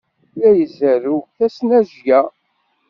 La izerrew tasnajya.